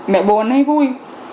mẹ buồn hay vui